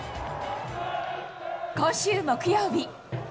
今週木曜日。